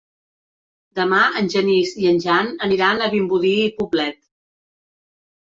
Demà en Genís i en Jan aniran a Vimbodí i Poblet.